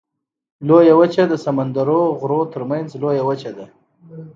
لویه وچه د سمندرونو غرونو ترمنځ لویه وچه ده.